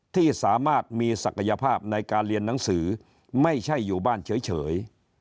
ที่สามารถมีศักยภาพในการเรียนหนังสือไม่ใช่อยู่บ้านเฉย